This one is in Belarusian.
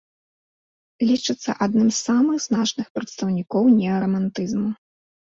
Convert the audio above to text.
Лічыцца адным з самых значных прадстаўнікоў неарамантызму.